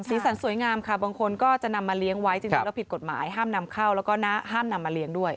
สันสวยงามค่ะบางคนก็จะนำมาเลี้ยงไว้จริงแล้วผิดกฎหมายห้ามนำเข้าแล้วก็ห้ามนำมาเลี้ยงด้วย